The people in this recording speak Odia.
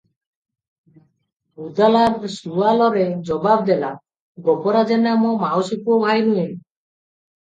ମୁଦାଲାର ସୁଆଲରେ ଜବାବ ଦେଲା -"ଗୋବରା ଜେନା ମୋ ମାଉସୀ ପୁଅ ଭାଇ ନୁହେଁ ।